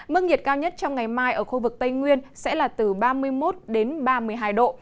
mức nhiệt cao nhất trong ngày mai ở khu vực tây nguyên sẽ là từ ba mươi một đến ba mươi hai độ